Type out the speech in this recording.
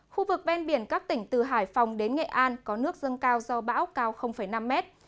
khu vực ven biển các tỉnh từ hải phòng đến nghệ an có nước dâng cao do bão cao năm mét